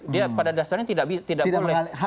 dia pada dasarnya tidak boleh